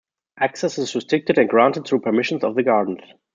Access is restricted and granted through permission of the Gardens.